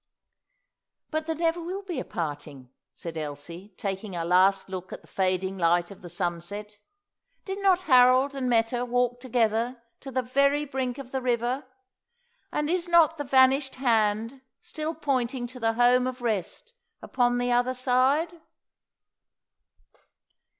"But there will never be a parting," said Elsie, taking a last look at the fading light of the sunset. "Did not Harold and Meta walk together to the very brink of the river? and is not the vanished hand still pointing to the home of rest upon the other side?"